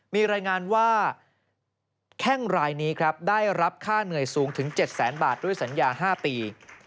มีรายงานว่าแข้งรายนี้ครับได้รับค่าเหนื่อยสูงถึง๗แสนบาทด้วยสัญญา๕ปี